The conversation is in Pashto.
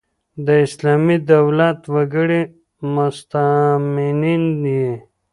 د اسلامي دولت وګړي مستامنین يي.